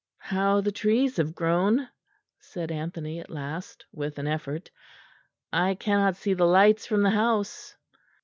"How the trees have grown!" said Anthony at last, with an effort; "I cannot see the lights from the house."